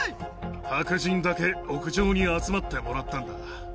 白人だけ屋上に集まってもらったんだ。